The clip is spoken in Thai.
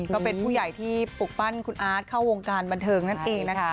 ก็เป็นผู้ใหญ่ที่ปลูกปั้นคุณอาร์ตเข้าวงการบันเทิงนั่นเองนะคะ